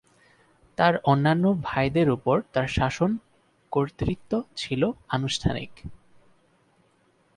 তার অন্যান্য ভাইদের উপর তার শাসন কর্তৃত্ব ছিল আনুষ্ঠানিক।